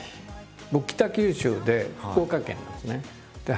僕北九州で福岡県なんですね。